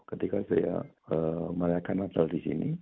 ketika saya merayakan natal di sini